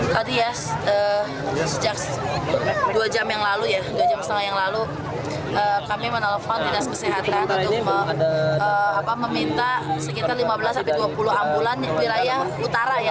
tadi ya sejak dua jam yang lalu ya dua jam setengah yang lalu kami menelpon dinas kesehatan untuk meminta sekitar lima belas dua puluh ambulan wilayah utara ya